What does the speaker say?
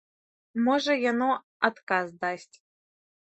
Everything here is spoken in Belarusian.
Можа, яно адказ дасць.